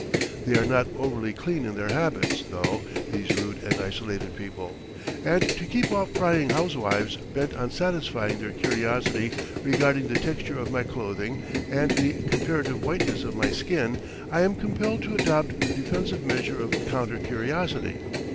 They are not overly clean in their habits, though, these rude and isolated people; and to keep off prying housewives, bent on satisfying their curiosity regarding the texture of my clothing and the comparative whiteness of my skin, I am compelled to adopt the defensive measure of counter curiosity.